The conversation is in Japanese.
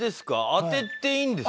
当てていいんですか？